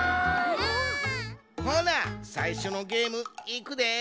ほなさいしょのゲームいくで！